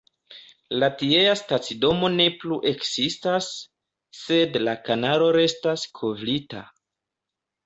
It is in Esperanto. La tiea stacidomo ne plu ekzistas, sed la kanalo restas kovrita.